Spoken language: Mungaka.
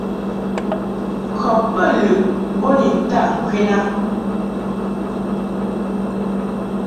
Kɔb bə lɨʼ bo ni ntaʼ ŋkwin a.